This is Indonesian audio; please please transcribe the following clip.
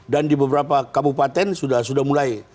dan di beberapa kabupaten sudah mulai